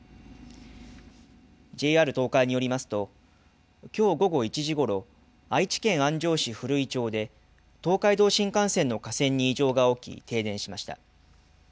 ＪＲ東海によりますときょう午後１時ごろ愛知県安城市古井町で東海道新幹線の架線に異常が起き停電しました。